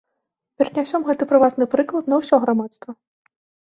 Перанясем гэты прыватны прыклад на ўсё грамадства.